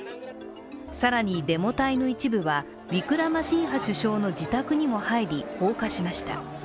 更に、デモ隊の一部はウィクラマシンハ首相の自宅にも入り放火しました。